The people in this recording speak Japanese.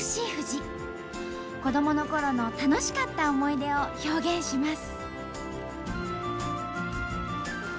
子どものころの楽しかった思い出を表現します。